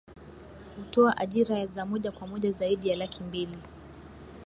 Hutoa ajira za moja kwa moja zaidi ya laki mbili